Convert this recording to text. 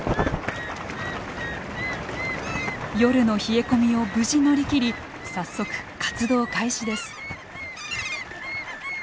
夜の冷え込みを無事乗り切り早速活動開始です。